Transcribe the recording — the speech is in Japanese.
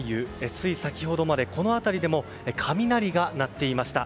つい先ほどまでこの辺りでも雷が鳴っていました。